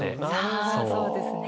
あそうですね。